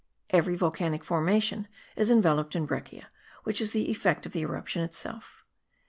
Every volcanic formation is enveloped in breccia, which is the effect of the eruption itself.)